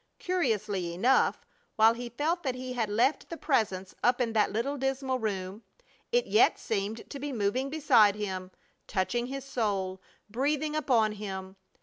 Curiously enough, while he felt that he had left the Presence up in that little dismal room, it yet seemed to be moving beside him, touching his soul, breathing upon him!